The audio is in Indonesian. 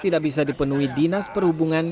tidak bisa dipenuhi dinas perhubungan